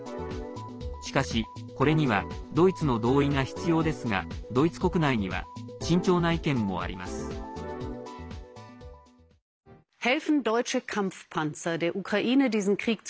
しかし、これにはドイツの同意が必要ですがドイツ国内には慎重な意見もあります。